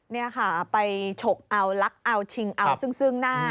นี่ค่ะไปฉกเอาลักเอาชิงเอาซึ่งหน้า